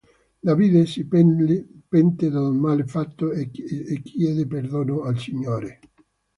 Davide si pente del male fatto e chiede perdono al Signore.